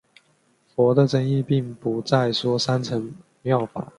佛的真意并不再说三乘妙法。